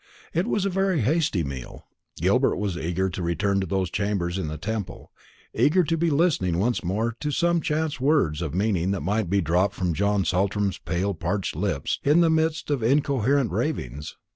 It was a very hasty meal. Gilbert was eager to return to those chambers in the Temple eager to be listening once more for some chance words of meaning that might be dropped from John Saltram's pale parched lips in the midst of incoherent ravings.